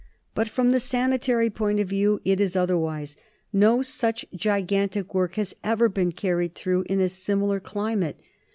But from the sanitary point of view it is otherwise. No such gigantic work has ever been carried through in a similar climate.